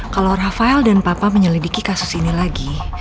kalau rafael dan papa menyelidiki kasus ini lagi